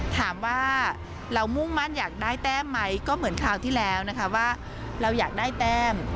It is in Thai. ถามว่าเรามุ่งมั่นอยากได้แต้มไหมก็เหมือนคราวที่แล้วนะคะว่าเราอยากได้แต้ม